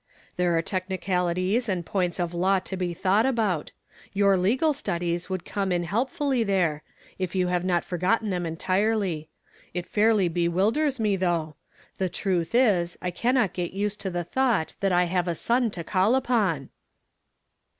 There are technicalities and jjoints of law to be thought about. Your legal studies would come in helpfully there, if j' ou have not forgotten thom entirely. It fairly bewildei s me, though. The trutli is, I cannot get used to the thought that I have a son to call upon."